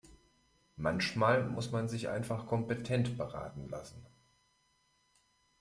Manchmal muss man sich einfach kompetent beraten lassen.